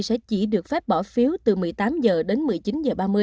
sẽ chỉ được phép bỏ phiếu từ một mươi tám h đến một mươi chín h ba mươi